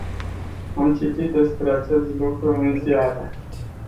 Am citit despre acest lucru în ziare.